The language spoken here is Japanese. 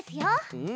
うん！